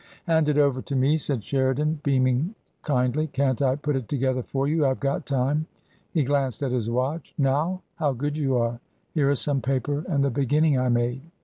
" Hand it over to me," said Sheridan, beaming kindly; " can't I put it together for you ? I've got time." He glanced at his watch. "Now? How good you are! Here is some paper and the beginning I made."